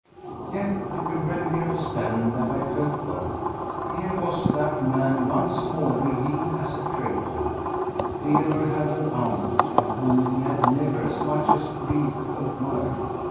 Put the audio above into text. Yet you will readily understand that I felt both. Here was that man, once more revealed as a traitor. Theodore had an aunt of whom he had never as much as breathed a word.